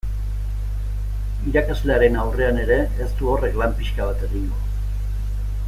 Irakaslearen aurrean ere ez du horrek lan pixka bat egingo.